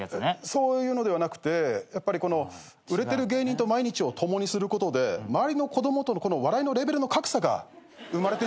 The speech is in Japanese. そういうのではなくてやっぱりこの売れてる芸人と毎日を共にすることで周りの子供との笑いのレベルの格差が生まれてんじゃないのかって思う。